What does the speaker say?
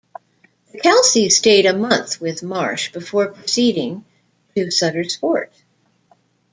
The Kelseys stayed a month with Marsh before proceeding to Sutter's Fort.